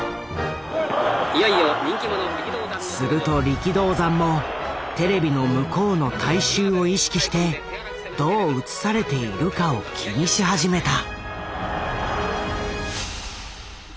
すると力道山もテレビの向こうの大衆を意識してどう映されているかを気にし始めた。